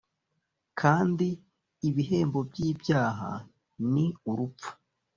kandi “ibihembo by’ibyaha ni urupfu